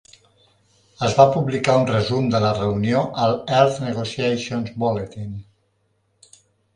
Es va publicar un resum de la reunió al "Earth Negotiations Bulletin".